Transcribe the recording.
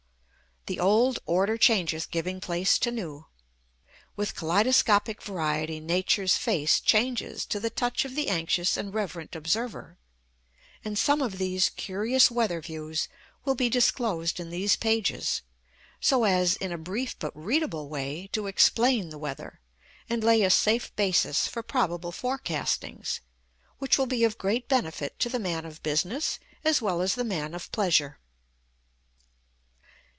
"The old order changeth, giving place to new." With kaleidoscopic variety Nature's face changes to the touch of the anxious and reverent observer. And some of these curious weather views will be disclosed in these pages, so as, in a brief but readable way, to explain the weather, and lay a safe basis for probable forecastings, which will be of great benefit to the man of business as well as the man of pleasure.